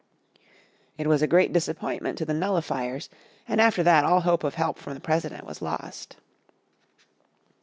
It was a great disappointment to the Nullifiers and after that all hope of help from the President was lost.